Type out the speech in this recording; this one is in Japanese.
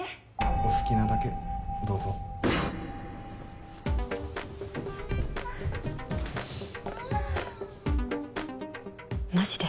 お好きなだけどうぞマジで？